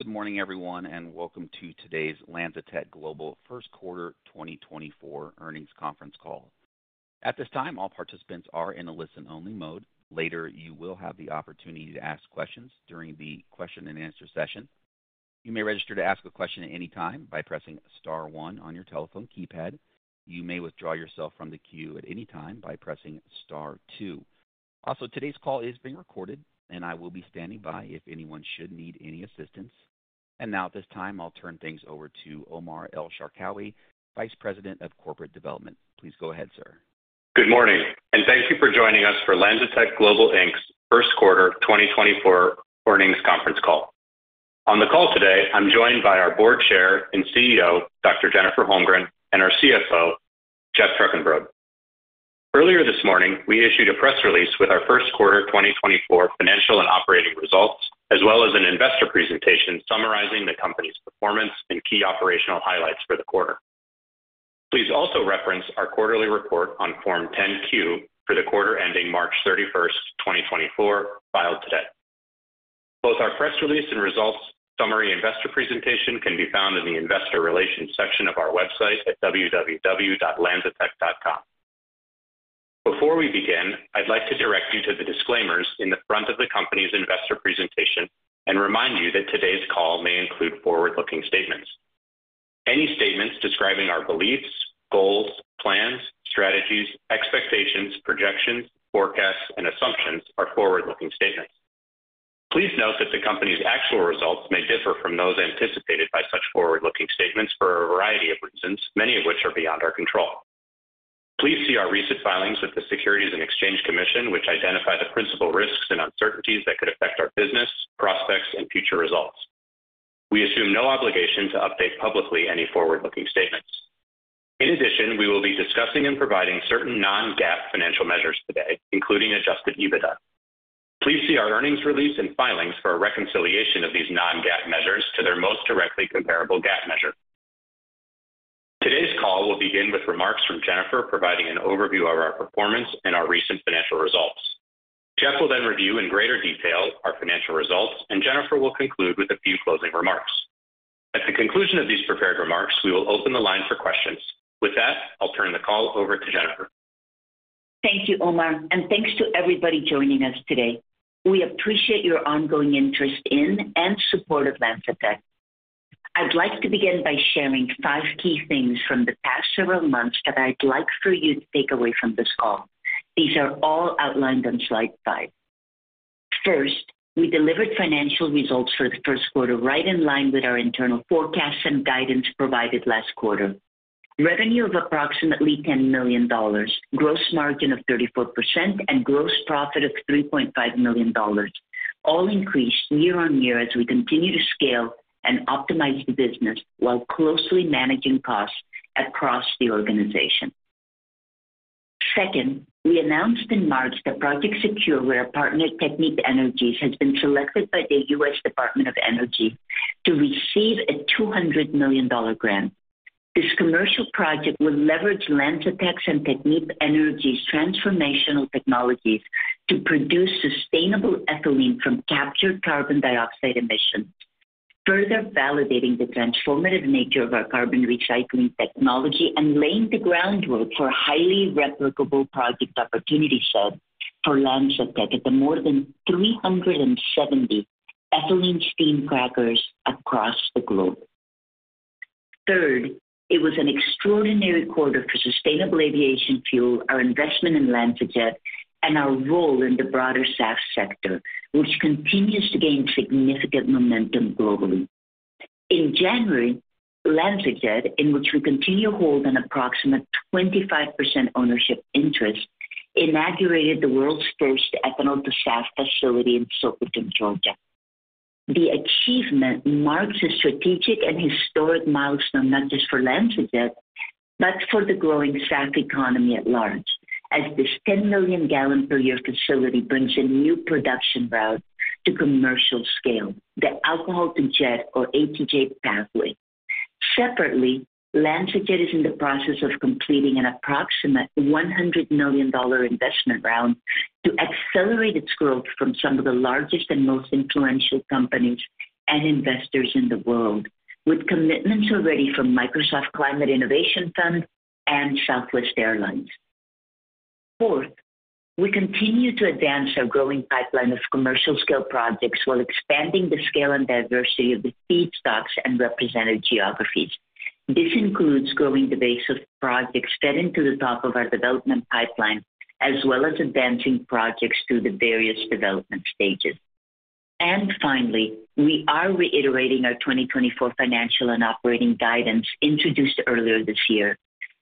Good morning, everyone, and welcome to today's LanzaTech Global First Quarter 2024 Earnings Conference Call. At this time, all participants are in a listen-only mode. Later, you will have the opportunity to ask questions during the question-and-answer session. You may register to ask a question at any time by pressing star one on your telephone keypad. You may withdraw yourself from the queue at any time by pressing star two. Also, today's call is being recorded, and I will be standing by if anyone should need any assistance. And now, at this time, I'll turn things over to Omar El-Sharkawy, Vice President of Corporate Development. Please go ahead, sir. Good morning, and thank you for joining us for LanzaTech Global Inc's First Quarter 2024 Earnings Conference Call. On the call today, I'm joined by our Board Chair and CEO, Dr. Jennifer Holmgren, and our CFO, Geoff Trukenbrod. Earlier this morning, we issued a press release with our First Quarter 2024 financial and operating results, as well as an investor presentation summarizing the company's performance and key operational highlights for the quarter. Please also reference our quarterly report on Form 10-Q for the quarter ending March 31st, 2024, filed today. Both our press release and results summary investor presentation can be found in the Investor Relations section of our website at www.lanzatech.com. Before we begin, I'd like to direct you to the disclaimers in the front of the company's investor presentation and remind you that today's call may include forward-looking statements. Any statements describing our beliefs, goals, plans, strategies, expectations, projections, forecasts, and assumptions are forward-looking statements. Please note that the company's actual results may differ from those anticipated by such forward-looking statements for a variety of reasons, many of which are beyond our control. Please see our recent filings with the Securities and Exchange Commission, which identify the principal risks and uncertainties that could affect our business, prospects, and future results. We assume no obligation to update publicly any forward-looking statements. In addition, we will be discussing and providing certain non-GAAP financial measures today, including Adjusted EBITDA. Please see our earnings release and filings for a reconciliation of these non-GAAP measures to their most directly comparable GAAP measure. Today's call will begin with remarks from Jennifer providing an overview of our performance and our recent financial results. Geoff will then review in greater detail our financial results, and Jennifer will conclude with a few closing remarks. At the conclusion of these prepared remarks, we will open the line for questions. With that, I'll turn the call over to Jennifer. Thank you, Omar, and thanks to everybody joining us today. We appreciate your ongoing interest in and support of LanzaTech. I'd like to begin by sharing five key things from the past several months that I'd like for you to take away from this call. These are all outlined on slide five. First, we delivered financial results for the first quarter right in line with our internal forecasts and guidance provided last quarter: revenue of approximately $10 million, gross margin of 34%, and gross profit of $3.5 million, all increased year-on-year as we continue to scale and optimize the business while closely managing costs across the organization. Second, we announced in March that Project SECURE, where our partner Technip Energies, has been selected by the U.S. Department of Energy to receive a $200 million grant. This commercial project will leverage LanzaTech's and Technip Energies' transformational technologies to produce sustainable ethylene from captured carbon dioxide emissions, further validating the transformative nature of our carbon recycling technology and laying the groundwork for highly replicable project opportunities for LanzaTech at the more than 370 ethylene steam crackers across the globe. Third, it was an extraordinary quarter for Sustainable Aviation Fuel, our investment in LanzaJet, and our role in the broader SAF sector, which continues to gain significant momentum globally. In January, LanzaJet, in which we continue to hold an approximate 25% ownership interest, inaugurated the world's first ethanol-to-SAF facility in Soperton, Georgia. The achievement marks a strategic and historic milestone not just for LanzaJet but for the growing SAF economy at large, as this 10 million gallon-per-year facility brings a new production route to commercial scale: the Alcohol-to-Jet, or ATJ, pathway. Separately, LanzaJet is in the process of completing an approximate $100 million investment round to accelerate its growth from some of the largest and most influential companies and investors in the world, with commitments already from Microsoft Climate Innovation Fund and Southwest Airlines. Fourth, we continue to advance our growing pipeline of commercial-scale projects while expanding the scale and diversity of the feedstocks and represented geographies. This includes growing the base of projects fed into the top of our development pipeline, as well as advancing projects through the various development stages. And finally, we are reiterating our 2024 financial and operating guidance introduced earlier this year.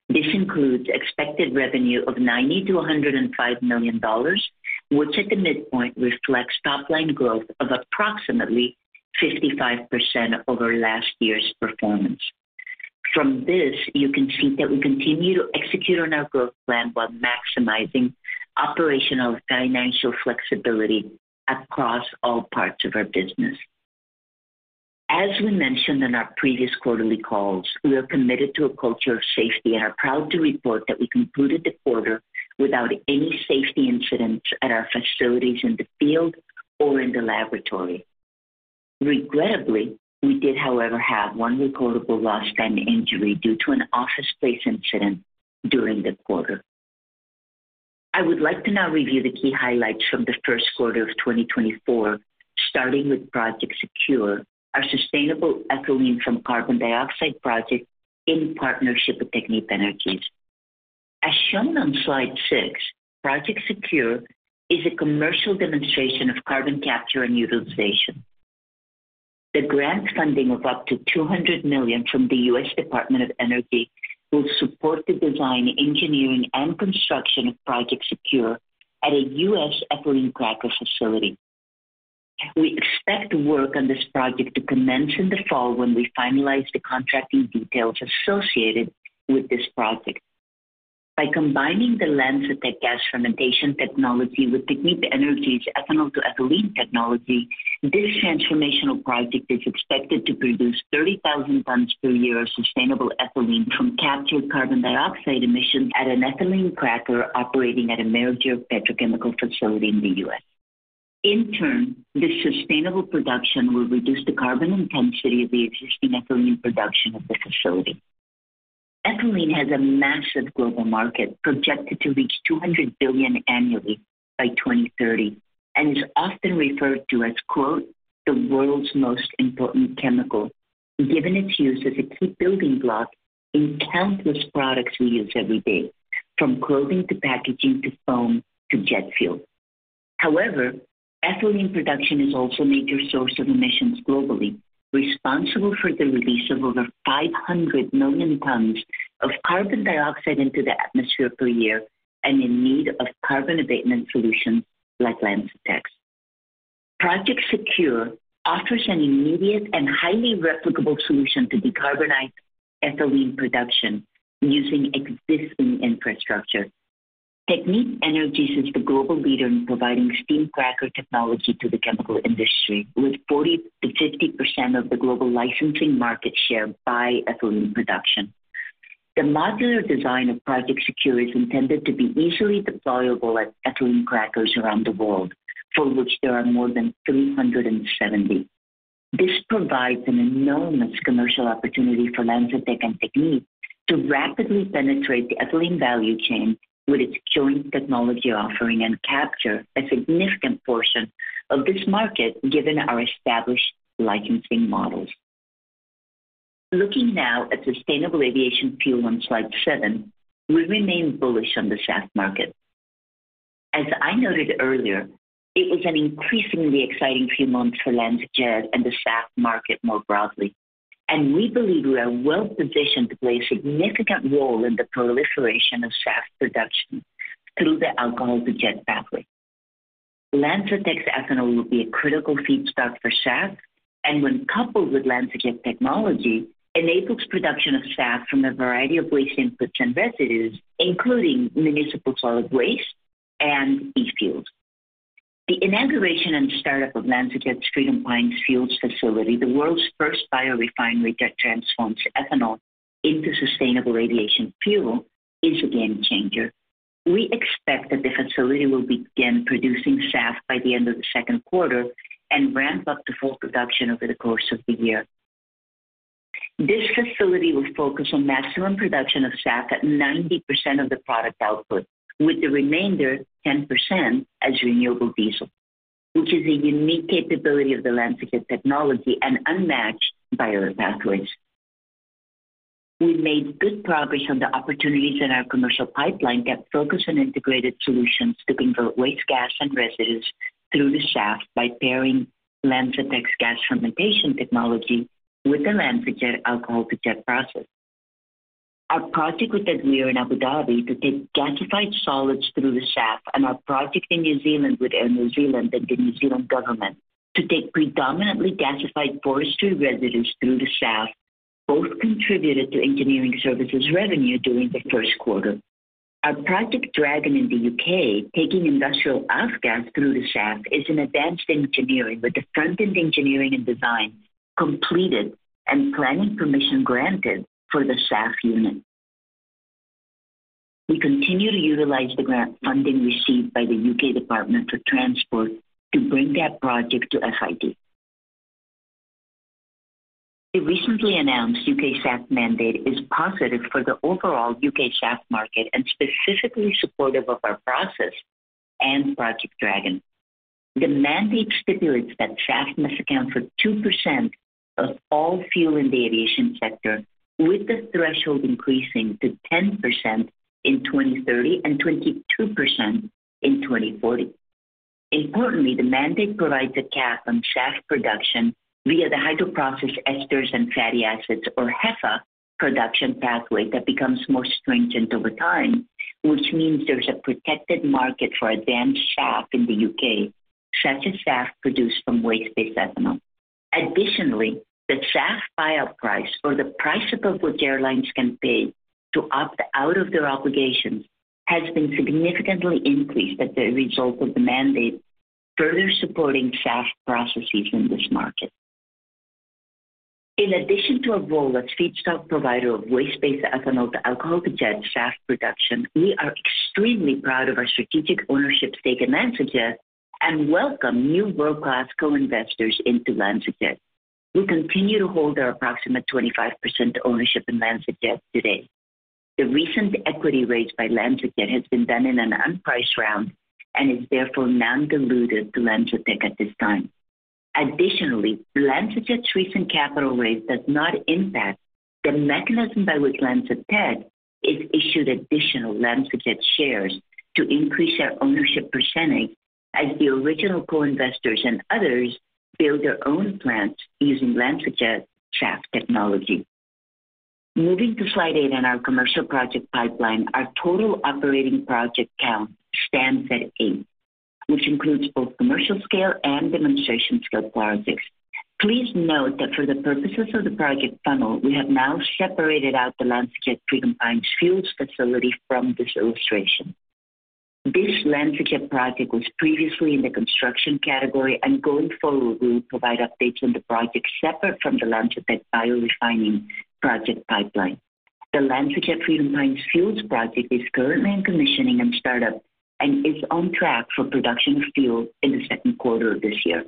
This includes expected revenue of $90 million-$105 million, which at the midpoint reflects top-line growth of approximately 55% over last year's performance. From this, you can see that we continue to execute on our growth plan while maximizing operational financial flexibility across all parts of our business. As we mentioned in our previous quarterly calls, we are committed to a culture of safety and are proud to report that we concluded the quarter without any safety incidents at our facilities in the field or in the laboratory. Regrettably, we did, however, have one recordable lost time injury due to an office-place incident during the quarter. I would like to now review the key highlights from the first quarter of 2024, starting with Project SECURE, our sustainable ethylene from carbon dioxide project in partnership with Technip Energies. As shown on slide six, Project SECURE is a commercial demonstration of carbon capture and utilization. The grant funding of up to $200 million from the U.S. Department of Energy will support the design, engineering, and construction of Project SECURE at a U.S. ethylene cracker facility. We expect work on this project to commence in the fall when we finalize the contracting details associated with this project. By combining the LanzaTech gas fermentation technology with Technip Energies' ethanol-to-ethylene technology, this transformational project is expected to produce 30,000 tons per year of sustainable ethylene from captured carbon dioxide emissions at an ethylene cracker operating at a major petrochemical facility in the U.S. In turn, this sustainable production will reduce the carbon intensity of the existing ethylene production at the facility. Ethylene has a massive global market projected to reach $200 billion annually by 2030 and is often referred to as "the world's most important chemical," given its use as a key building block in countless products we use every day, from clothing to packaging to foam to jet fuel. However, ethylene production is also a major source of emissions globally, responsible for the release of over 500 million tons of carbon dioxide into the atmosphere per year and in need of carbon abatement solutions like LanzaTech. Project SECURE offers an immediate and highly replicable solution to decarbonize ethylene production using existing infrastructure. Technip Energies is the global leader in providing steam cracker technology to the chemical industry, with 40%-50% of the global licensing market share by ethylene production. The modular design of Project SECURE is intended to be easily deployable at ethylene crackers around the world, for which there are more than 370. This provides an enormous commercial opportunity for LanzaTech and Technip Energies to rapidly penetrate the ethylene value chain with its joint technology offering and capture a significant portion of this market given our established licensing models. Looking now at Sustainable Aviation Fuel on slide seven, we remain bullish on the SAF market. As I noted earlier, it was an increasingly exciting few months for LanzaJet and the SAF market more broadly, and we believe we are well-positioned to play a significant role in the proliferation of SAF production through the Alcohol-to-Jet pathway. LanzaTech's ethanol will be a critical feedstock for SAF and, when coupled with LanzaJet technology, enables production of SAF from a variety of waste inputs and residues, including municipal solid waste and e-fuels. The inauguration and startup of LanzaJet's Freedom Pines Fuels facility, the world's first biorefinery that transforms ethanol into Sustainable Aviation Fuel, is a game-changer. We expect that the facility will begin producing SAF by the end of the second quarter and ramp up to full production over the course of the year. This facility will focus on maximum production of SAF at 90% of the product output, with the remainder 10% as renewable diesel, which is a unique capability of the LanzaJet technology and unmatched by other pathways. We made good progress on the opportunities in our commercial pipeline that focus on integrated solutions to convert waste gas and residues through the SAF by pairing LanzaTech's gas fermentation technology with the LanzaJet Alcohol-to-Jet process. Our project with Tadweer in Abu Dhabi to take gasified solids through the SAF and our project in New Zealand with Air New Zealand and the New Zealand government to take predominantly gasified forestry residues through the SAF both contributed to engineering services revenue during the first quarter. Our Project DRAGON in the U.K., taking industrial off-gas through the SAF, is in advanced engineering with the front-end engineering and design completed and planning permission granted for the SAF unit. We continue to utilize the grant funding received by the U.K. Department for Transport to bring that project to FID. The recently announced U.K. SAF mandate is positive for the overall U.K. SAF market and specifically supportive of our process and Project DRAGON. The mandate stipulates that SAF must account for 2% of all fuel in the aviation sector, with the threshold increasing to 10% in 2030 and 22% in 2040. Importantly, the mandate provides a cap on SAF production via the Hydroprocessed Esters and Fatty Acids, or HEFA, production pathway that becomes more stringent over time, which means there's a protected market for advanced SAF in the U.K., such as SAF produced from waste-based ethanol. Additionally, the SAF buyout price, or the price approvals airlines can pay to opt out of their obligations, has been significantly increased as a result of the mandate, further supporting SAF processes in this market. In addition to our role as feedstock provider of waste-based ethanol to Alcohol-to-Jet SAF production, we are extremely proud of our strategic ownership stake in LanzaJet and welcome new world-class co-investors into LanzaJet. We continue to hold our approximate 25% ownership in LanzaJet today. The recent equity raise by LanzaJet has been done in an unpriced round and is therefore non-dilutive to LanzaTech at this time. Additionally, LanzaJet's recent capital raise does not impact the mechanism by which LanzaTech is issued additional LanzaJet shares to increase our ownership percentage as the original co-investors and others build their own plants using LanzaJet SAF technology. Moving to slide eight in our commercial project pipeline, our total operating project count stands at 8, which includes both commercial-scale and demonstration-scale projects. Please note that for the purposes of the project funnel, we have now separated out the LanzaJet Freedom Pines Fuels facility from this illustration. This LanzaJet project was previously in the construction category, and going forward, we will provide updates on the project separate from the LanzaTech biorefining project pipeline. The LanzaJet Freedom Pines Fuels project is currently in commissioning and startup and is on track for production of fuel in the second quarter of this year.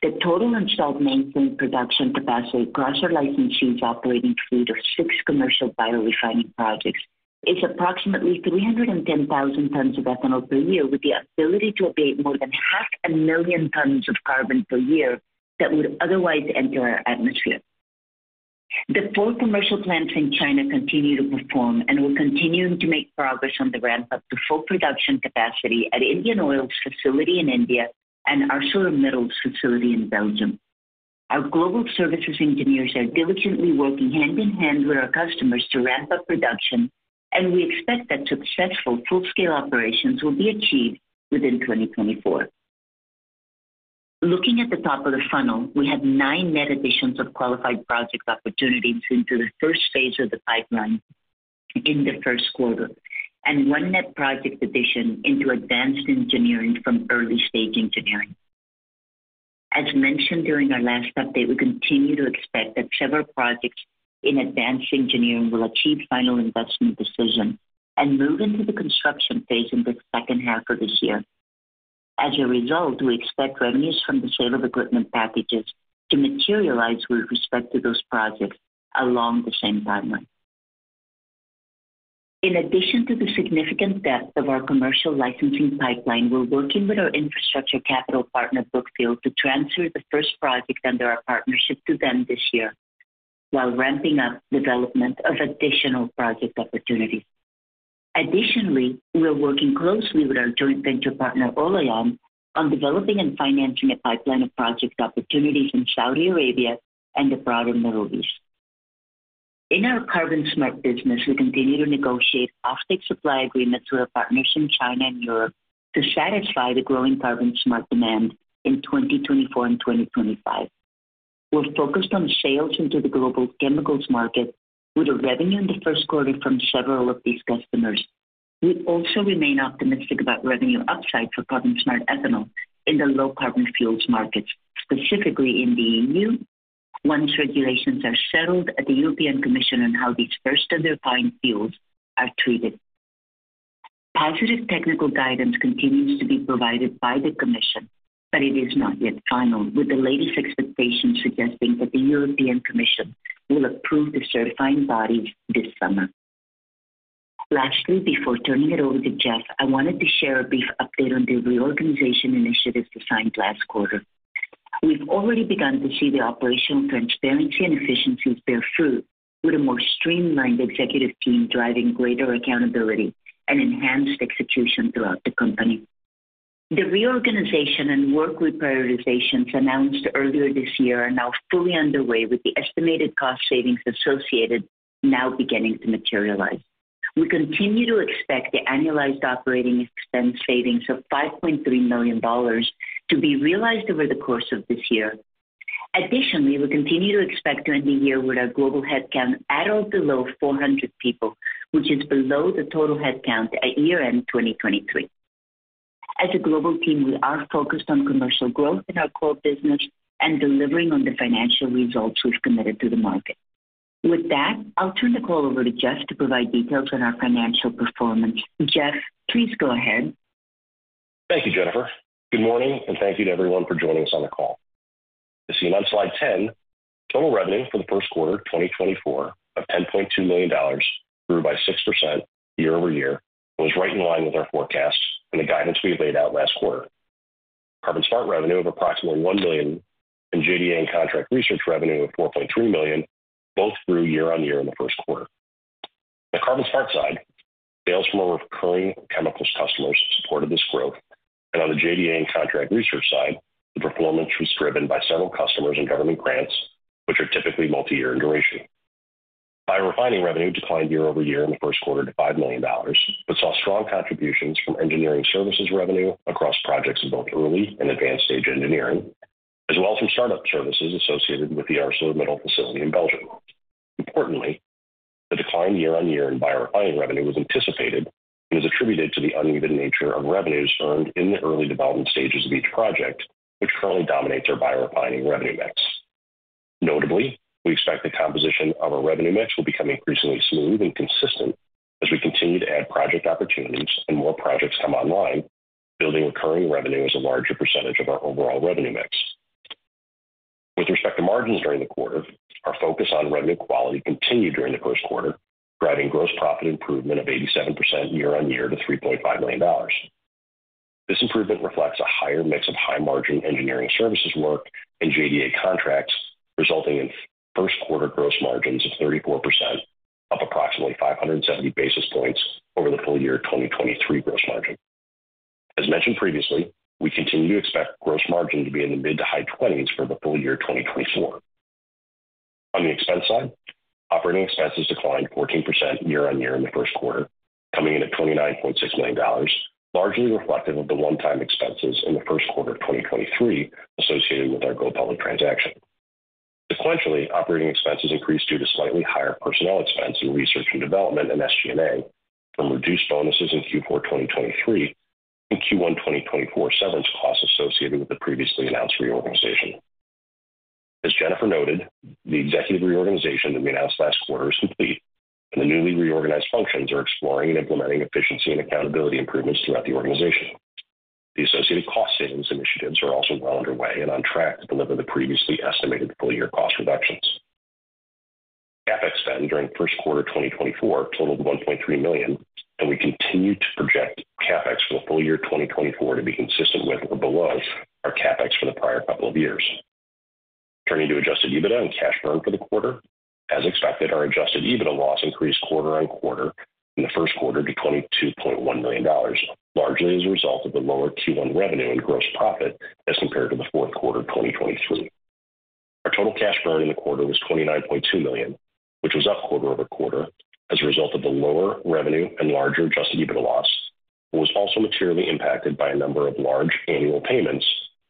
The total installed maintenance production capacity across our licensees' operating fleet of six commercial biorefining projects is approximately 310,000 tons of ethanol per year, with the ability to abate more than 500,000 tons of carbon per year that would otherwise enter our atmosphere. The four commercial plants in China continue to perform and are continuing to make progress on the ramp-up to full production capacity at Indian Oil's facility in India and ArcelorMittal's facility in Belgium. Our global services engineers are diligently working hand in hand with our customers to ramp up production, and we expect that successful full-scale operations will be achieved within 2024. Looking at the top of the funnel, we have nine net additions of qualified project opportunities into the first phase of the pipeline in the first quarter and one net project addition into advanced engineering from early-stage engineering. As mentioned during our last update, we continue to expect that several projects in advanced engineering will achieve final investment decisions and move into the construction phase in the second half of this year. As a result, we expect revenues from the sale of equipment packages to materialize with respect to those projects along the same timeline. In addition to the significant depth of our commercial licensing pipeline, we're working with our infrastructure capital partner, Brookfield, to transfer the first project under our partnership to them this year while ramping up development of additional project opportunities. Additionally, we are working closely with our joint venture partner, Olayan, on developing and financing a pipeline of project opportunities in Saudi Arabia and the broader Middle East. In our CarbonSmart business, we continue to negotiate offtake supply agreements with our partners in China and Europe to satisfy the growing CarbonSmart demand in 2024 and 2025. We're focused on sales into the global chemicals market with a revenue in the first quarter from several of these customers. We also remain optimistic about revenue upside for CarbonSmart ethanol in the low-carbon fuels markets, specifically in the EU, once regulations are settled at the European Commission on how these first-ever e-fuels are treated. Positive technical guidance continues to be provided by the Commission, but it is not yet final, with the latest expectations suggesting that the European Commission will approve the certifying bodies this summer. Lastly, before turning it over to Geoff, I wanted to share a brief update on the reorganization initiatives assigned last quarter. We've already begun to see the operational transparency and efficiencies bear fruit, with a more streamlined executive team driving greater accountability and enhanced execution throughout the company. The reorganization and work reprioritizations announced earlier this year are now fully underway, with the estimated cost savings associated now beginning to materialize. We continue to expect the annualized operating expense savings of $5.3 million to be realized over the course of this year. Additionally, we continue to expect to end the year with our global headcount at or below 400 people, which is below the total headcount at year-end 2023. As a global team, we are focused on commercial growth in our core business and delivering on the financial results we've committed to the market. With that, I'll turn the call over to Geoff to provide details on our financial performance. Geoff, please go ahead. Thank you, Jennifer. Good morning, and thank you to everyone for joining us on the call. As seen on slide 10, total revenue for the first quarter of 2024 of $10.2 million grew by 6% year-over-year, was right in line with our forecasts and the guidance we laid out last quarter. CarbonSmart revenue of approximately $1 million and JDA and contract research revenue of $4.3 million both grew year-over-year in the first quarter. On the CarbonSmart side, sales from our recurring chemicals customers supported this growth, and on the JDA and contract research side, the performance was driven by several customers and government grants, which are typically multi-year in duration. Biorefining revenue declined year-over-year in the first quarter to $5 million but saw strong contributions from engineering services revenue across projects in both early and advanced-stage engineering, as well as from startup services associated with the ArcelorMittal facility in Belgium. Importantly, the decline year-over-year in biorefining revenue was anticipated and is attributed to the uneven nature of revenues earned in the early development stages of each project, which currently dominates our biorefining revenue mix. Notably, we expect the composition of our revenue mix will become increasingly smooth and consistent as we continue to add project opportunities and more projects come online, building recurring revenue as a larger percentage of our overall revenue mix. With respect to margins during the quarter, our focus on revenue quality continued during the first quarter, driving gross profit improvement of 87% year-over-year to $3.5 million. This improvement reflects a higher mix of high-margin engineering services work and JDA contracts, resulting in first-quarter gross margins of 34%, up approximately 570 basis points over the full-year 2023 gross margin. As mentioned previously, we continue to expect gross margin to be in the mid- to high 20s for the full-year 2024. On the expense side, operating expenses declined 14% year-over-year in the first quarter, coming in at $29.6 million, largely reflective of the one-time expenses in the first quarter of 2023 associated with our go-public transaction. Sequentially, operating expenses increased due to slightly higher personnel expense in research and development and SG&A from reduced bonuses in Q4 2023 and Q1 2024 severance costs associated with the previously announced reorganization. As Jennifer noted, the executive reorganization that we announced last quarter is complete, and the newly reorganized functions are exploring and implementing efficiency and accountability improvements throughout the organization. The associated cost savings initiatives are also well underway and on track to deliver the previously estimated full-year cost reductions. CapEx spend during first quarter 2024 totaled $1.3 million, and we continue to project CapEx for the full-year 2024 to be consistent with or below our CapEx for the prior couple of years. Turning to adjusted EBITDA and cash burn for the quarter, as expected, our adjusted EBITDA loss increased quarter-over-quarter in the first quarter to $22.1 million, largely as a result of the lower Q1 revenue and gross profit as compared to the fourth quarter of 2023. Our total cash burn in the quarter was $29.2 million, which was up quarter-over-quarter as a result of the lower revenue and larger adjusted EBITDA loss, but was also materially impacted by a number of large annual payments,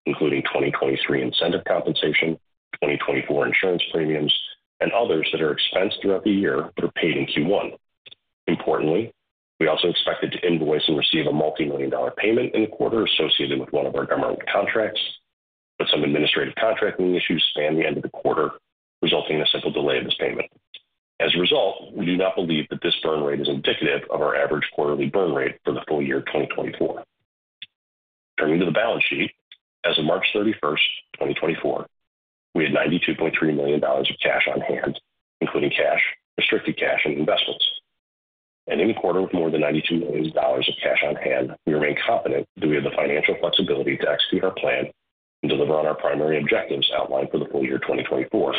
including 2023 incentive compensation, 2024 insurance premiums, and others that are expensed throughout the year but are paid in Q1. Importantly, we also expected to invoice and receive a multi-million-dollar payment in the quarter associated with one of our government contracts, but some administrative contracting issues spanned the end of the quarter, resulting in a simple delay of this payment. As a result, we do not believe that this burn rate is indicative of our average quarterly burn rate for the full-year 2024. Turning to the balance sheet, as of March 31st, 2024, we had $92.3 million of cash on hand, including cash, restricted cash, and investments. Ending the quarter with more than $92 million of cash on hand, we remain confident that we have the financial flexibility to execute our plan and deliver on our primary objectives outlined for the full-year 2024.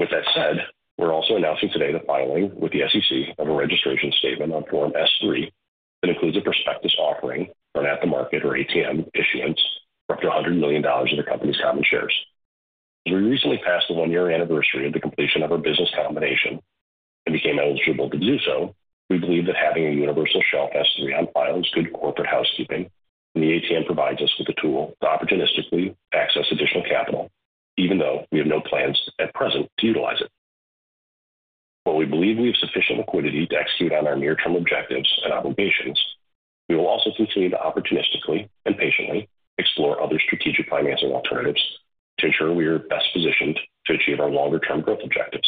With that said, we're also announcing today the filing with the SEC of a registration statement on Form S-3 that includes a prospectus offering for an at-the-market or ATM issuance for up to $100 million of the company's common shares. As we recently passed the one-year anniversary of the completion of our business combination and became eligible to do so, we believe that having a universal shelf S-3 on file is good corporate housekeeping, and the ATM provides us with a tool to opportunistically access additional capital, even though we have no plans at present to utilize it. While we believe we have sufficient liquidity to execute on our near-term objectives and obligations, we will also continue to opportunistically and patiently explore other strategic financing alternatives to ensure we are best positioned to achieve our longer-term growth objectives.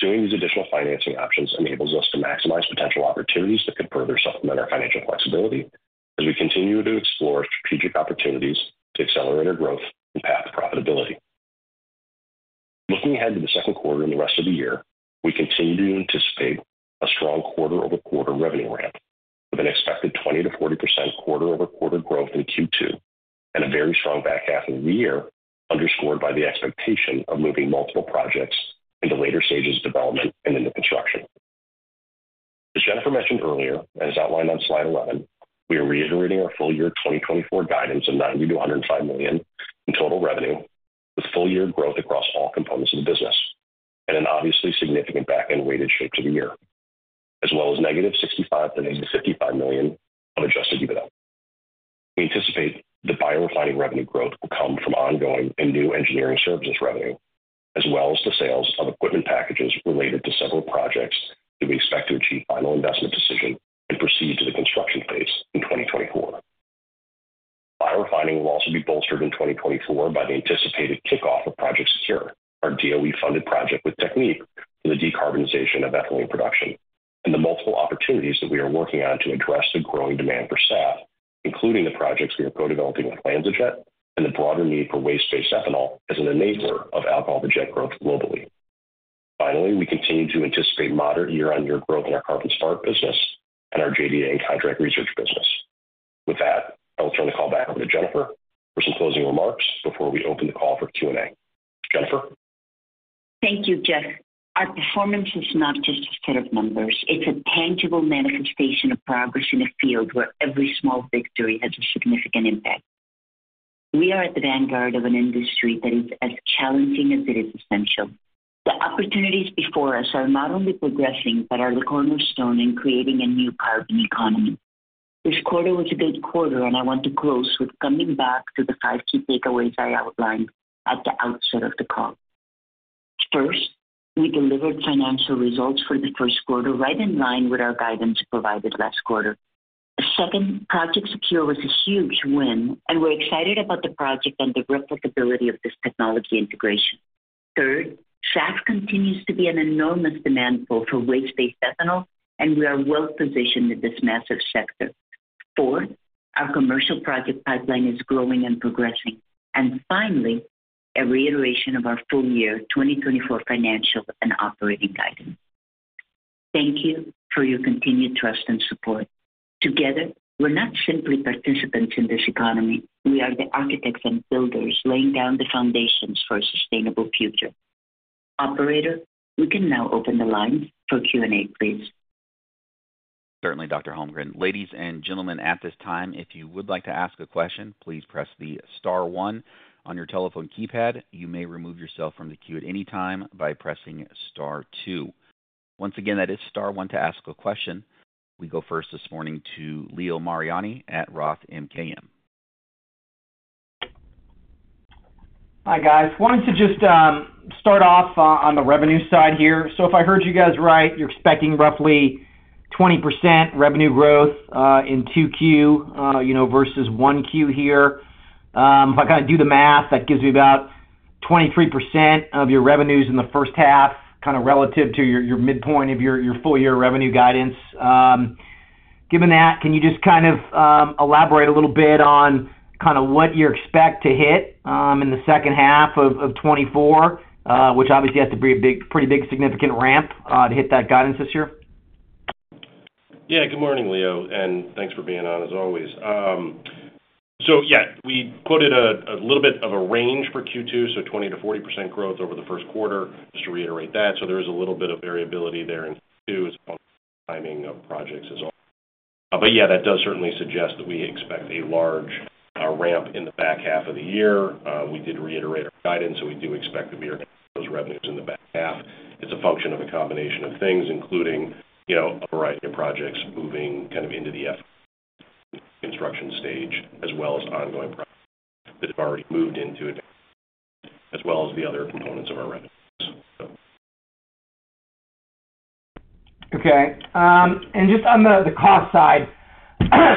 Pursuing these additional financing options enables us to maximize potential opportunities that could further supplement our financial flexibility as we continue to explore strategic opportunities to accelerate our growth and path to profitability. Looking ahead to the second quarter and the rest of the year, we continue to anticipate a strong quarter-over-quarter revenue ramp with an expected 20%-40% quarter-over-quarter growth in Q2 and a very strong back half of the year underscored by the expectation of moving multiple projects into later stages of development and into construction. As Jennifer mentioned earlier and as outlined on slide 11, we are reiterating our full-year 2024 guidance of $90 million-$105 million in total revenue with full-year growth across all components of the business and an obviously significant back-end weighted shape to the year, as well as -$65 million to -$55 million of adjusted EBITDA. We anticipate the biorefining revenue growth will come from ongoing and new engineering services revenue, as well as the sales of equipment packages related to several projects that we expect to achieve final investment decision and proceed to the construction phase in 2024. Biorefining will also be bolstered in 2024 by the anticipated kickoff of Project SECURE, our DOE-funded project with Technip Energies for the decarbonization of ethylene production, and the multiple opportunities that we are working on to address the growing demand for SAF, including the projects we are co-developing with LanzaJet and the broader need for waste-based ethanol as an enabler of Alcohol-to-Jet growth globally. Finally, we continue to anticipate moderate year-on-year growth in our CarbonSmart business and our JDA and contract research business. With that, I'll turn the call back over to Jennifer for some closing remarks before we open the call for Q&A. Jennifer? Thank you, Geoff. Our performance is not just a set of numbers. It's a tangible manifestation of progress in a field where every small victory has a significant impact. We are at the vanguard of an industry that is as challenging as it is essential. The opportunities before us are not only progressing but are the cornerstone in creating a new carbon economy. This quarter was a good quarter, and I want to close with coming back to the five key takeaways I outlined at the outset of the call. First, we delivered financial results for the first quarter right in line with our guidance provided last quarter. Second, Project SECURE was a huge win, and we're excited about the project and the replicability of this technology integration. Third, SAF continues to be an enormous demand pool for waste-based ethanol, and we are well-positioned in this massive sector. Fourth, our commercial project pipeline is growing and progressing. Finally, a reiteration of our full-year 2024 financial and operating guidance. Thank you for your continued trust and support. Together, we're not simply participants in this economy. We are the architects and builders laying down the foundations for a sustainable future. Operator, we can now open the lines for Q&A, please. Certainly, Dr. Holmgren. Ladies and gentlemen, at this time, if you would like to ask a question, please press the star one on your telephone keypad. You may remove yourself from the queue at any time by pressing star two. Once again, that is star one to ask a question. We go first this morning to Leo Mariani at Roth MKM. Hi, guys. Wanted to just start off on the revenue side here. So if I heard you guys right, you're expecting roughly 20% revenue growth in 2Q versus 1Q here. If I kind of do the math, that gives me about 23% of your revenues in the first half, kind of relative to your midpoint of your full-year revenue guidance. Given that, can you just kind of elaborate a little bit on kind of what you expect to hit in the second half of 2024, which obviously has to be a pretty big, significant ramp to hit that guidance this year? Yeah. Good morning, Leo, and thanks for being on as always. So yeah, we quoted a little bit of a range for Q2, so 20%-40% growth over the first quarter, just to reiterate that. So there is a little bit of variability there in Q2 as a function of timing of projects as well. But yeah, that does certainly suggest that we expect a large ramp in the back half of the year. We did reiterate our guidance, so we do expect that we are going to see those revenues in the back half. It's a function of a combination of things, including a variety of projects moving kind of into the F-construction stage, as well as ongoing projects that have already moved into advanced-stage construction, as well as the other components of our revenues, so. Okay. And just on the cost side,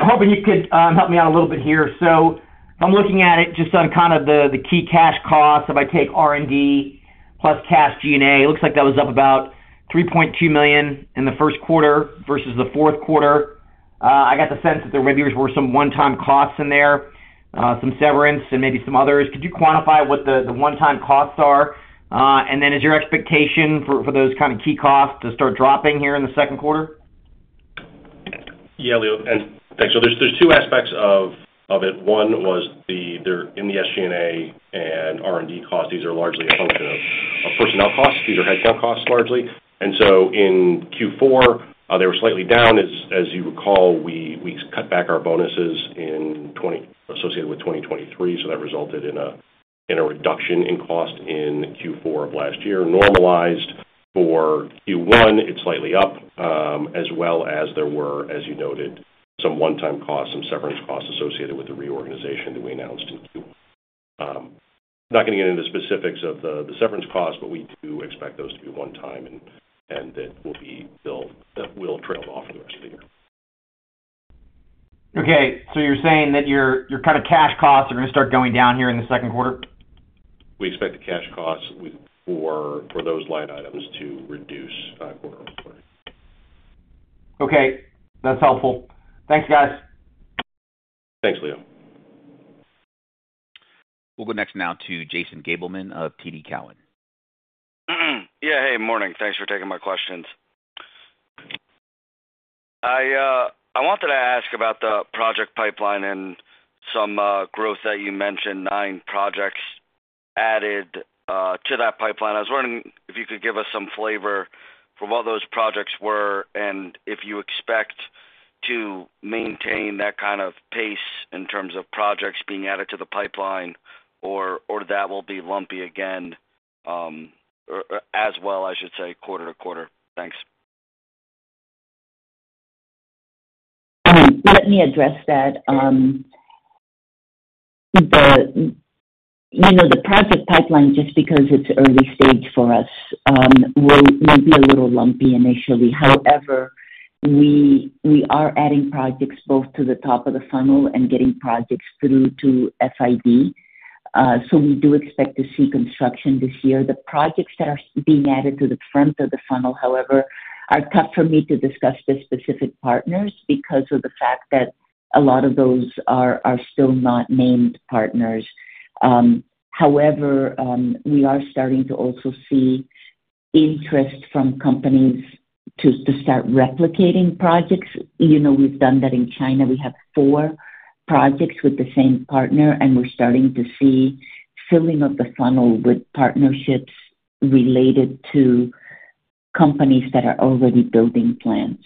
hoping you could help me out a little bit here. So if I'm looking at it just on kind of the key cash costs, if I take R&D plus cash G&A, it looks like that was up about $3.2 million in the first quarter versus the fourth quarter. I got the sense that there maybe were some one-time costs in there, some severance, and maybe some others. Could you quantify what the one-time costs are? And then is your expectation for those kind of key costs to start dropping here in the second quarter? Yeah, Leo. And thanks. So there's two aspects of it. One was in the SG&A and R&D costs, these are largely a function of personnel costs. These are headcount costs, largely. And so in Q4, they were slightly down. As you recall, we cut back our bonuses associated with 2023, so that resulted in a reduction in cost in Q4 of last year. Normalized for Q1, it's slightly up, as well as there were, as you noted, some one-time costs, some severance costs associated with the reorganization that we announced in Q1. I'm not going to get into the specifics of the severance costs, but we do expect those to be one-time and that will trail off for the rest of the year. Okay. So you're saying that your kind of cash costs are going to start going down here in the second quarter? We expect the cash costs for those line items to reduce quarter-over-quarter. Okay. That's helpful. Thanks, guys. Thanks, Leo. We'll go next now to Jason Gabelman of TD Cowen. Yeah. Hey. Good morning. Thanks for taking my questions. I wanted to ask about the project pipeline and some growth that you mentioned, nine projects added to that pipeline. I was wondering if you could give us some flavor for what those projects were and if you expect to maintain that kind of pace in terms of projects being added to the pipeline or that will be lumpy again as well, I should say, quarter to quarter. Thanks. Let me address that. The project pipeline, just because it's early stage for us, will be a little lumpy initially. However, we are adding projects both to the top of the funnel and getting projects through to FID. So we do expect to see construction this year. The projects that are being added to the front of the funnel, however, are tough for me to discuss the specific partners because of the fact that a lot of those are still not named partners. However, we are starting to also see interest from companies to start replicating projects. We've done that in China. We have four projects with the same partner, and we're starting to see filling of the funnel with partnerships related to companies that are already building plants.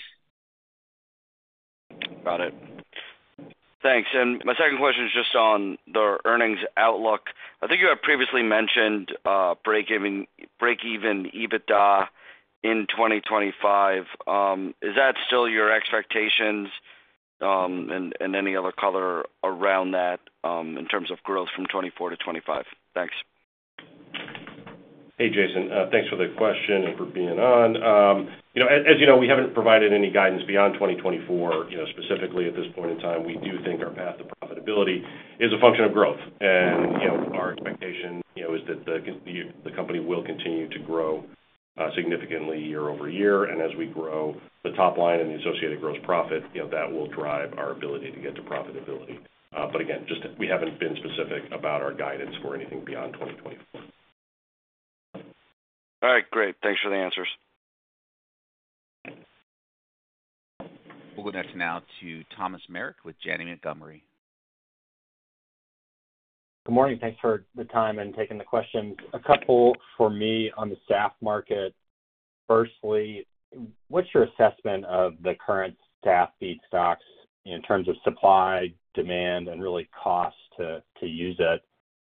Got it. Thanks. And my second question is just on the earnings outlook. I think you had previously mentioned break-even EBITDA in 2025. Is that still your expectations and any other color around that in terms of growth from 2024 to 2025? Thanks. Hey, Jason. Thanks for the question and for being on. As you know, we haven't provided any guidance beyond 2024 specifically at this point in time. We do think our path to profitability is a function of growth. Our expectation is that the company will continue to grow significantly year-over-year. As we grow, the top line and the associated gross profit, that will drive our ability to get to profitability. But again, we haven't been specific about our guidance for anything beyond 2024. All right. Great. Thanks for the answers. We'll go next now to Thomas Meric with Janney Montgomery. Good morning. Thanks for the time and taking the questions. A couple for me on the SAF market. Firstly, what's your assessment of the current SAF feedstocks in terms of supply, demand, and really cost to use it?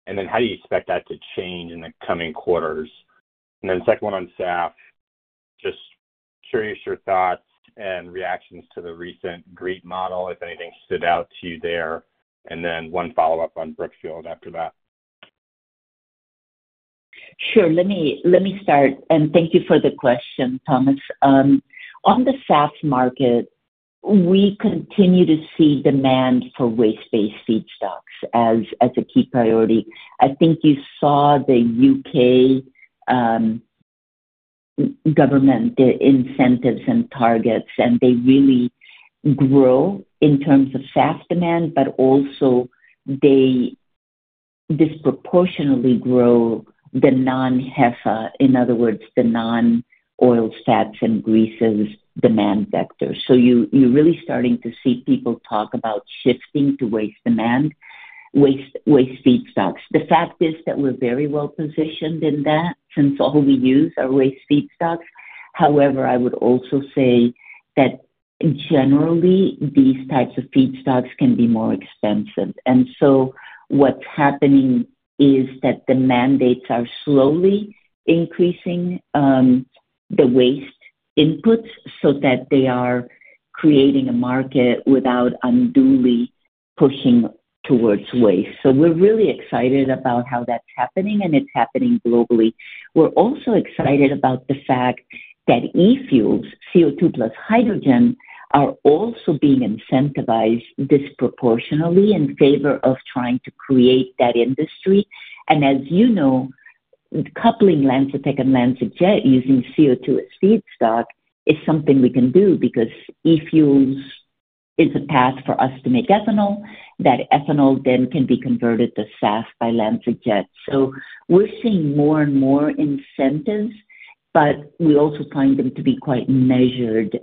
And then how do you expect that to change in the coming quarters? And then second one on SAF, just curious your thoughts and reactions to the recent GREET model, if anything stood out to you there. And then one follow-up on Brookfield after that. Sure. Let me start. Thank you for the question, Thomas. On the SAF market, we continue to see demand for waste-based feedstocks as a key priority. I think you saw the U.K. government incentives and targets, and they really grow in terms of SAF demand, but also they disproportionately grow the non-HEFA, in other words, the non-oils, fats, and greases demand vector. You're really starting to see people talk about shifting to waste demand, waste feedstocks. The fact is that we're very well-positioned in that since all we use are waste feedstocks. However, I would also say that generally, these types of feedstocks can be more expensive. What's happening is that the mandates are slowly increasing the waste inputs so that they are creating a market without unduly pushing towards waste. We're really excited about how that's happening, and it's happening globally. We're also excited about the fact that e-fuels, CO2 plus hydrogen, are also being incentivized disproportionately in favor of trying to create that industry. As you know, coupling LanzaTech and LanzaJet using CO2 as feedstock is something we can do because e-fuels is a path for us to make ethanol. That ethanol then can be converted to SAF by LanzaJet. We're seeing more and more incentives, but we also find them to be quite measured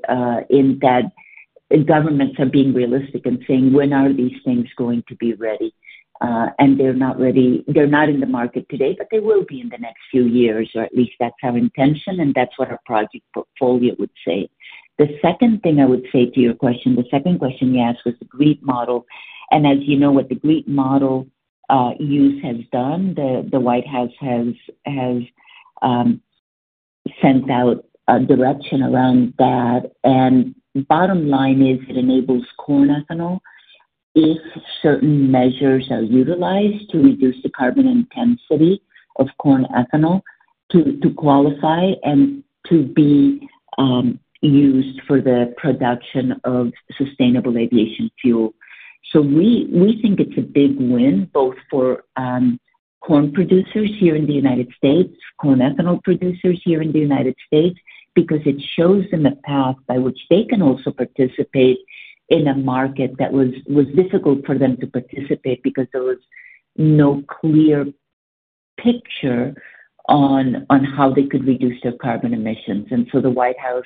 in that governments are being realistic and saying, "When are these things going to be ready?" They're not ready. They're not in the market today, but they will be in the next few years, or at least that's our intention, and that's what our project portfolio would say. The second thing I would say to your question, the second question you asked, was the GREET model. And as you know what the GREET model use has done, the White House has sent out direction around that. And bottom line is it enables corn ethanol if certain measures are utilized to reduce the carbon intensity of corn ethanol to qualify and to be used for the production of Sustainable Aviation Fuel. So we think it's a big win both for corn producers here in the United States, corn ethanol producers here in the United States, because it shows them a path by which they can also participate in a market that was difficult for them to participate because there was no clear picture on how they could reduce their carbon emissions. And so the White House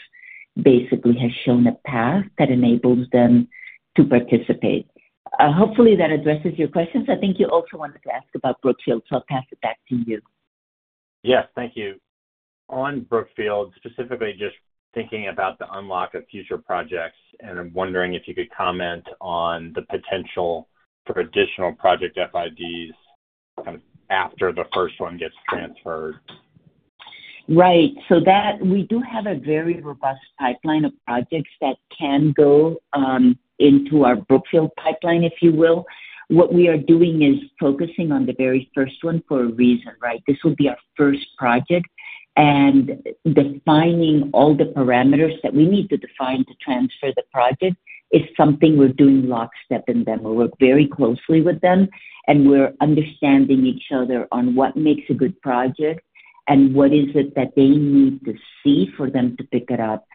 basically has shown a path that enables them to participate. Hopefully, that addresses your questions. I think you also wanted to ask about Brookfield, so I'll pass it back to you. Yeah. Thank you. On Brookfield, specifically just thinking about the unlock of future projects, and I'm wondering if you could comment on the potential for additional project FIDs kind of after the first one gets transferred? Right. So we do have a very robust pipeline of projects that can go into our Brookfield pipeline, if you will. What we are doing is focusing on the very first one for a reason, right? This will be our first project. Defining all the parameters that we need to define to transfer the project is something we're doing lockstep with them. We work very closely with them, and we're understanding each other on what makes a good project and what is it that they need to see for them to pick it up.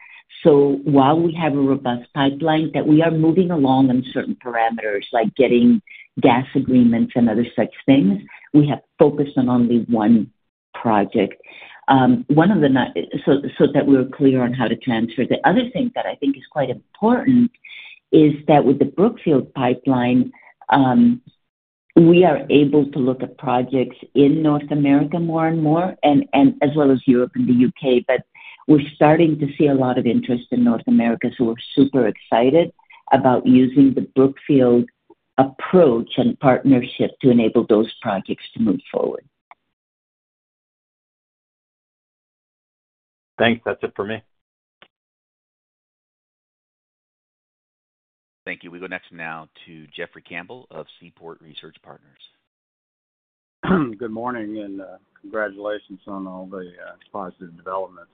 So while we have a robust pipeline that we are moving along on certain parameters like getting gas agreements and other such things, we have focused on only one project so that we're clear on how to transfer it. The other thing that I think is quite important is that with the Brookfield pipeline, we are able to look at projects in North America more and more, as well as Europe and the U.K. But we're starting to see a lot of interest in North America, so we're super excited about using the Brookfield approach and partnership to enable those projects to move forward. Thanks. That's it for me. Thank you. We go next now to Jeffrey Campbell of Seaport Research Partners. Good morning and congratulations on all the positive developments.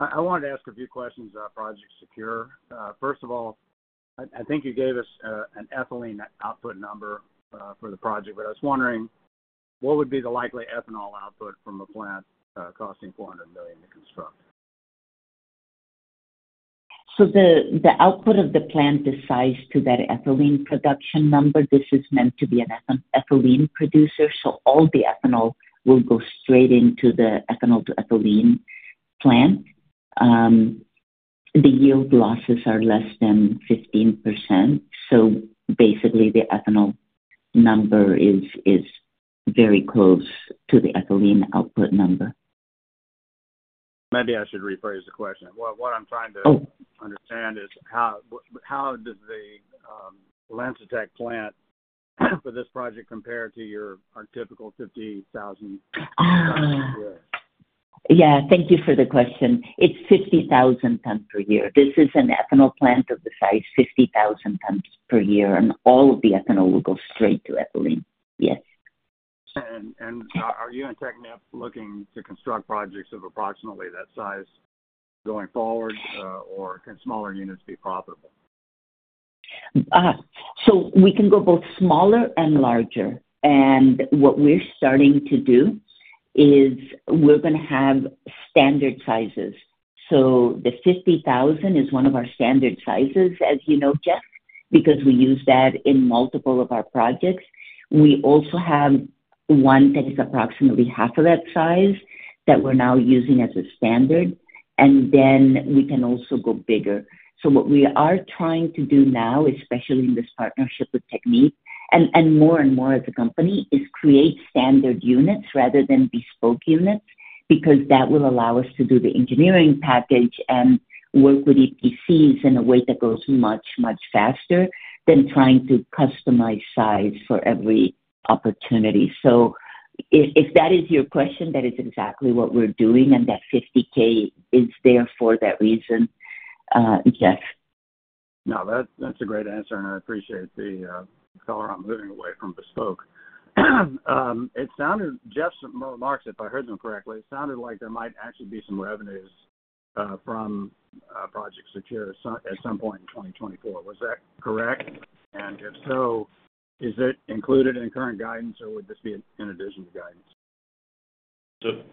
I wanted to ask a few questions about Project SECURE. First of all, I think you gave us an ethylene output number for the project, but I was wondering, what would be the likely ethanol output from a plant costing $400 million to construct? So the output of the plant dictates that ethylene production number. This is meant to be an ethylene producer, so all the ethanol will go straight into the ethanol-to-ethylene plant. The yield losses are less than 15%. So basically, the ethanol number is very close to the ethylene output number. Maybe I should rephrase the question. What I'm trying to understand is how does the LanzaTech plant for this project compare to your typical 50,000 tons per year? Yeah. Thank you for the question. It's 50,000 tons per year. This is an ethanol plant of the size 50,000 tons per year, and all of the ethanol will go straight to ethylene. Yes. Are you and Technip Energies looking to construct projects of approximately that size going forward, or can smaller units be profitable? So we can go both smaller and larger. And what we're starting to do is we're going to have standard sizes. So the 50,000 is one of our standard sizes, as you know, Jeff, because we use that in multiple of our projects. We also have one that is approximately half of that size that we're now using as a standard, and then we can also go bigger. So what we are trying to do now, especially in this partnership with Technip Energies and more and more as a company, is create standard units rather than bespoke units because that will allow us to do the engineering package and work with EPCs in a way that goes much, much faster than trying to customize size for every opportunity. So if that is your question, that is exactly what we're doing, and that 50K is there for that reason, Jeff. No, that's a great answer, and I appreciate the color on moving away from bespoke. Jeff's remarks, if I heard them correctly, it sounded like there might actually be some revenues from Project SECURE at some point in 2024. Was that correct? And if so, is it included in current guidance, or would this be in addition to guidance?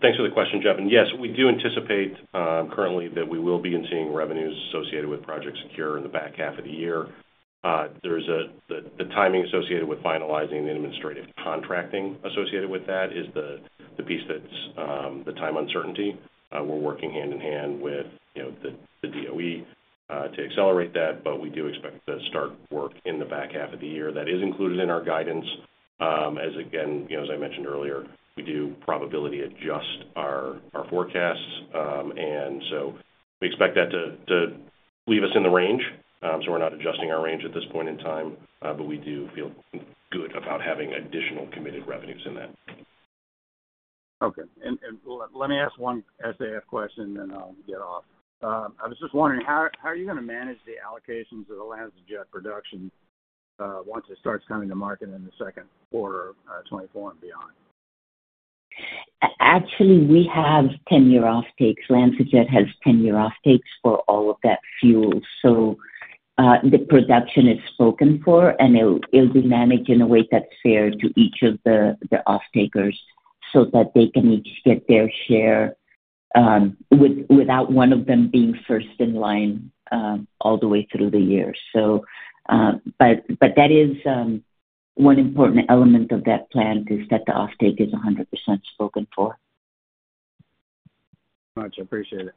Thanks for the question, Jeff. Yes, we do anticipate currently that we will be seeing revenues associated with Project SECURE in the back half of the year. The timing associated with finalizing the administrative contracting associated with that is the piece that's the time uncertainty. We're working hand in hand with the DOE to accelerate that, but we do expect to start work in the back half of the year. That is included in our guidance. Again, as I mentioned earlier, we do probability-adjust our forecasts, and so we expect that to leave us in the range. We're not adjusting our range at this point in time, but we do feel good about having additional committed revenues in that. Okay. And let me ask one SAF question, then I'll get off. I was just wondering, how are you going to manage the allocations of the LanzaJet production once it starts coming to market in the second quarter 2024, and beyond? Actually, we have 10-year offtakes. LanzaJet has 10-year offtakes for all of that fuel, so the production is spoken for, and it'll be managed in a way that's fair to each of the offtakers so that they can each get their share without one of them being first in line all the way through the year. But that is one important element of that plant is that the offtake is 100% spoken for. All right. I appreciate it.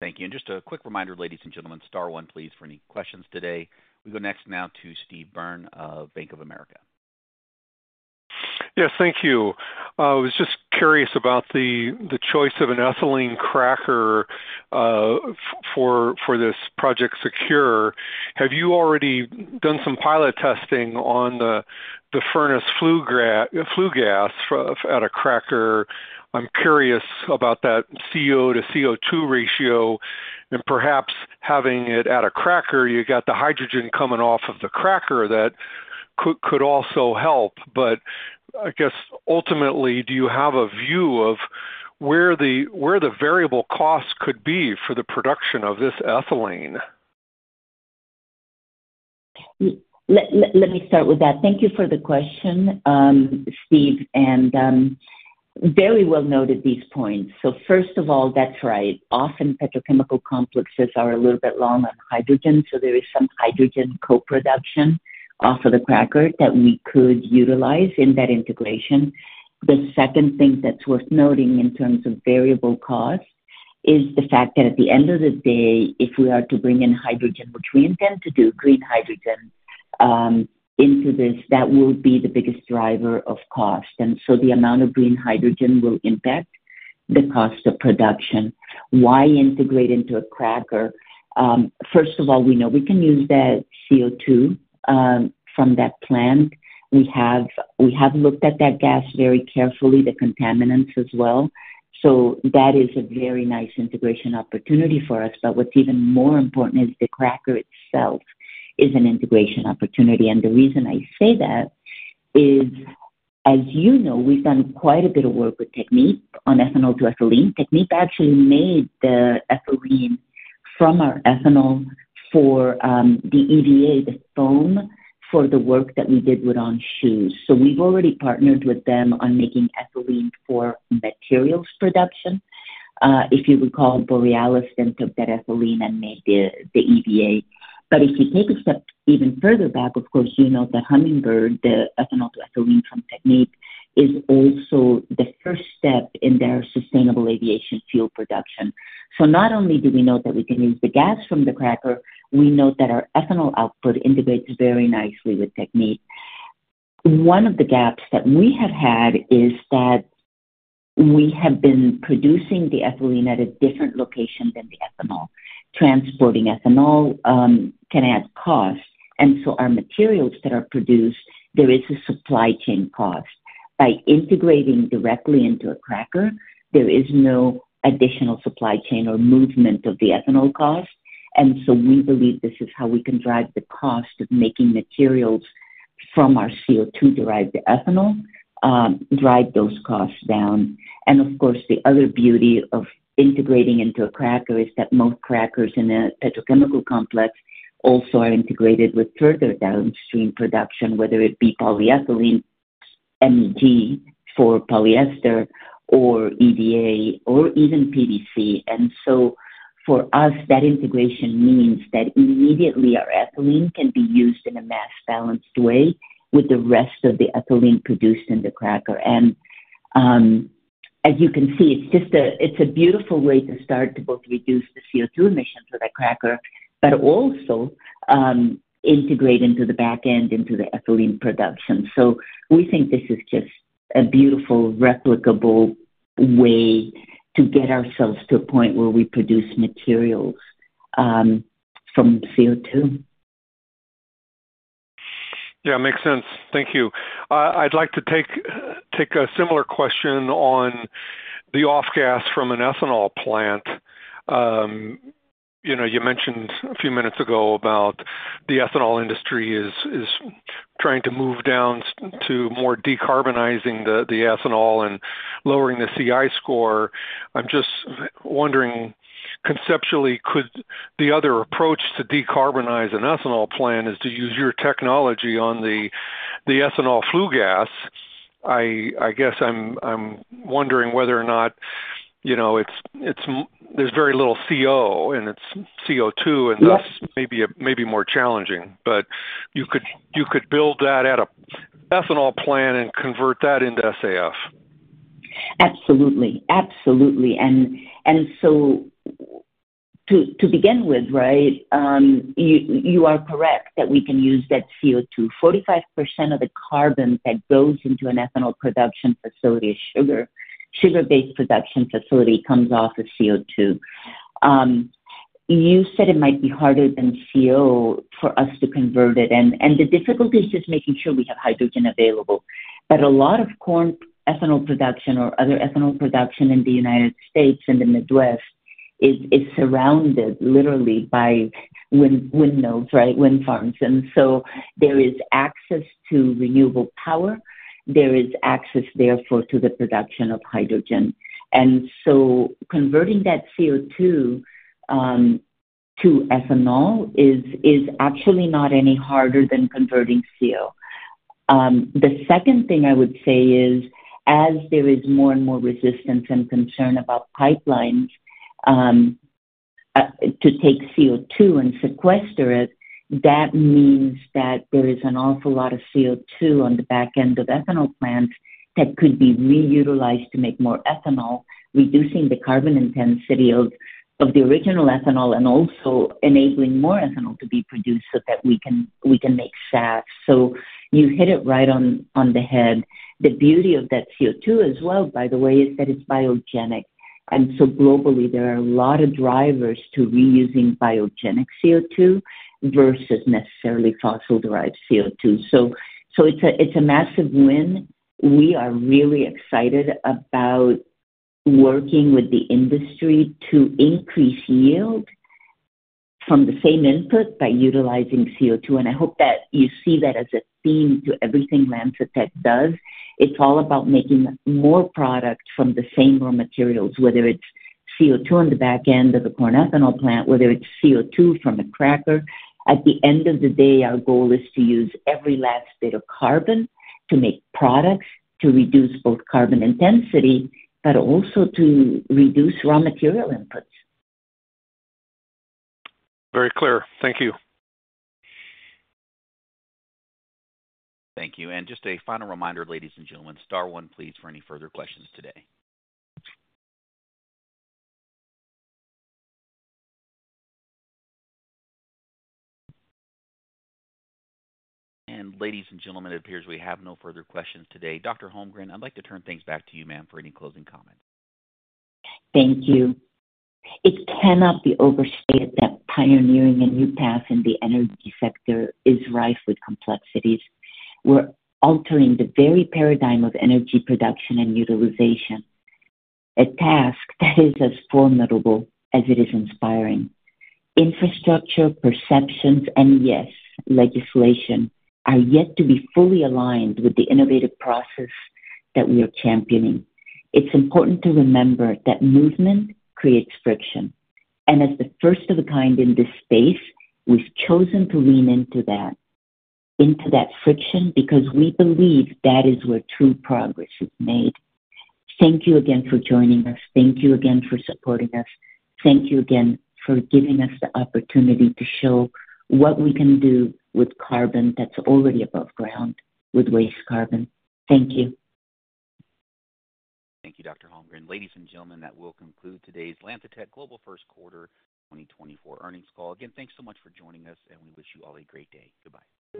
Thank you. Just a quick reminder, ladies and gentlemen, star one, please, for any questions today. We go next now to Steve Byrne of Bank of America. Yes. Thank you. I was just curious about the choice of an ethylene cracker for this Project SECURE. Have you already done some pilot testing on the furnace flue gas at a cracker? I'm curious about that CO to CO2 ratio. And perhaps having it at a cracker, you got the hydrogen coming off of the cracker that could also help. But I guess ultimately, do you have a view of where the variable costs could be for the production of this ethylene? Let me start with that. Thank you for the question, Steve, and very well noted these points. So first of all, that's right. Often, petrochemical complexes are a little bit long on hydrogen, so there is some hydrogen co-production off of the cracker that we could utilize in that integration. The second thing that's worth noting in terms of variable cost is the fact that at the end of the day, if we are to bring in hydrogen, which we intend to do, green hydrogen, into this, that will be the biggest driver of cost. And so the amount of green hydrogen will impact the cost of production. Why integrate into a cracker? First of all, we know we can use that CO2 from that plant. We have looked at that gas very carefully, the contaminants as well. So that is a very nice integration opportunity for us. But what's even more important is the cracker itself is an integration opportunity. The reason I say that is, as you know, we've done quite a bit of work with Technip Energies on ethanol to ethylene. Technip Energies actually made the ethylene from our ethanol for the EVA, the foam for the work that we did with On. So we've already partnered with them on making ethylene for materials production. If you recall, Borealis then took that ethylene and made the EVA. But if you take a step even further back, of course, you know that Hummingbird, the ethanol to ethylene from Technip Energies, is also the first step in their Sustainable Aviation Fuel production. So not only do we know that we can use the gas from the cracker, we know that our ethanol output integrates very nicely with Technip Energies. One of the gaps that we have had is that we have been producing the ethylene at a different location than the ethanol. Transporting ethanol can add cost. And so our materials that are produced, there is a supply chain cost. By integrating directly into a cracker, there is no additional supply chain or movement of the ethanol cost. And so we believe this is how we can drive the cost of making materials from our CO2-derived ethanol, drive those costs down. And of course, the other beauty of integrating into a cracker is that most crackers in a petrochemical complex also are integrated with further downstream production, whether it be polyethylene, MEG for polyester or EVA or even PVC. And so for us, that integration means that immediately our ethylene can be used in a mass-balanced way with the rest of the ethylene produced in the cracker. As you can see, it's a beautiful way to start to both reduce the CO2 emissions of that cracker but also integrate into the back end, into the ethylene production. We think this is just a beautiful, replicable way to get ourselves to a point where we produce materials from CO2. Yeah. Makes sense. Thank you. I'd like to take a similar question on the off-gas from an ethanol plant. You mentioned a few minutes ago about the ethanol industry is trying to move down to more decarbonizing the ethanol and lowering the CI score. I'm just wondering, conceptually, could the other approach to decarbonize an ethanol plant is to use your technology on the ethanol flue gas? I guess I'm wondering whether or not there's very little CO, and it's CO2, and thus maybe more challenging. But you could build that at an ethanol plant and convert that into SAF. Absolutely. Absolutely. And so to begin with, right, you are correct that we can use that CO2. 45% of the carbon that goes into an ethanol production facility, a sugar-based production facility, comes off of CO2. You said it might be harder than CO for us to convert it. And the difficulty is just making sure we have hydrogen available. But a lot of corn ethanol production or other ethanol production in the United States and the Midwest is surrounded, literally, by windmills, right, wind farms. And so there is access to renewable power. There is access, therefore, to the production of hydrogen. And so converting that CO2 to ethanol is actually not any harder than converting CO. The second thing I would say is, as there is more and more resistance and concern about pipelines to take CO2 and sequester it, that means that there is an awful lot of CO2 on the back end of ethanol plants that could be reutilized to make more ethanol, reducing the carbon intensity of the original ethanol and also enabling more ethanol to be produced so that we can make SAF. So you hit it right on the head. The beauty of that CO2 as well, by the way, is that it's biogenic. And so globally, there are a lot of drivers to reusing biogenic CO2 versus necessarily fossil-derived CO2. So it's a massive win. We are really excited about working with the industry to increase yield from the same input by utilizing CO2. And I hope that you see that as a theme to everything LanzaTech does. It's all about making more product from the same raw materials, whether it's CO2 on the back end of the corn ethanol plant, whether it's CO2 from a cracker. At the end of the day, our goal is to use every last bit of carbon to make products, to reduce both carbon intensity but also to reduce raw material inputs. Very clear. Thank you. Thank you. And just a final reminder, ladies and gentlemen, star one, please, for any further questions today. And ladies and gentlemen, it appears we have no further questions today. Dr. Holmgren, I'd like to turn things back to you, ma'am, for any closing comments. Thank you. It cannot be overstated that pioneering a new path in the energy sector is rife with complexities. We're altering the very paradigm of energy production and utilization, a task that is as formidable as it is inspiring. Infrastructure, perceptions, and yes, legislation are yet to be fully aligned with the innovative process that we are championing. It's important to remember that movement creates friction. And as the first of a kind in this space, we've chosen to lean into that friction because we believe that is where true progress is made. Thank you again for joining us. Thank you again for supporting us. Thank you again for giving us the opportunity to show what we can do with carbon that's already above ground with waste carbon. Thank you. Thank you, Dr. Holmgren. Ladies and gentlemen, that will conclude today's LanzaTech Global First Quarter 2024 Earnings Call. Again, thanks so much for joining us, and we wish you all a great day. Goodbye.